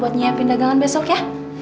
eh ngapain kamu ke situ